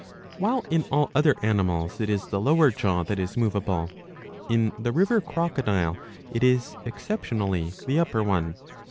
While in all other animals it is the lower jaw that is moveable, in the river crocpdile it is exceptionally the upper one.